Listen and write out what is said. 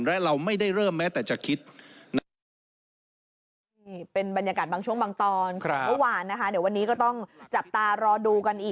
และเราไม่ได้เริ่มแม้แต่จะคิด